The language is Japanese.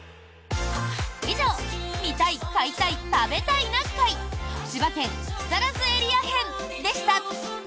以上、「見たい買いたい食べたいな会」千葉県木更津エリア編でした！